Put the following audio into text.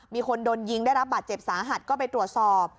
มีคนโดนยิงได้รับบาดเจ็บสาหัสก็ไปตรวจสอบ